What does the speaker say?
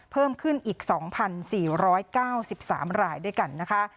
เพิ่มขึ้นอีก๒๔๙๓รายด้วยกันนะคะ